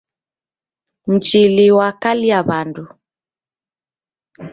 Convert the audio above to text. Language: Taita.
Mchili wakalia w'andu.